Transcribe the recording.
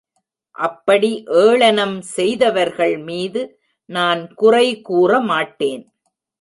அப்படி ஏளனம் செய்தவர்கள் மீது நான் குறை கூறமாட்டேன்.